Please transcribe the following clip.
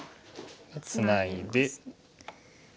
ツナいで。